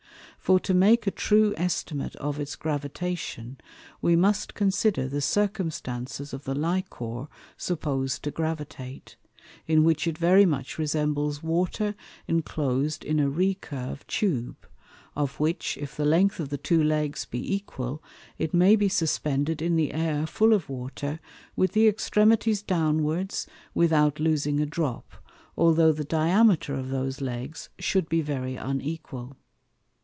For to make a true estimate of its Gravitation, we must consider the Circumstances of the Liquor suppos'd to gravitate; in which it very much resembles Water inclos'd in a recurve Tube, of which, if the length of the two Legs be equal, it may be suspended in the Air full of Water, with the Extremities downwards, without losing a drop, although the Diameter of those Legs should be very unequal.